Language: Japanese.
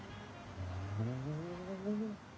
ふん。